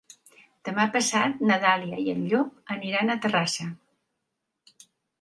Demà passat na Dàlia i en Llop aniran a Terrassa.